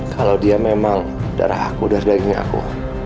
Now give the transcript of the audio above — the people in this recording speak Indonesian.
kalau dia memang darah aku darah daya ini aku